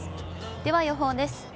では、予報です。